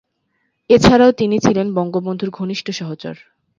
এছাড়াও তিনি ছিলেন বঙ্গবন্ধুর ঘনিষ্ঠ সহচর।